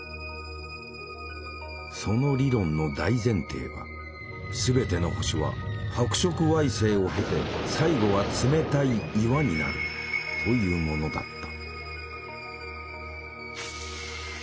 その理論の大前提は「全ての星は白色矮星を経て最後は冷たい岩になる」というものだった。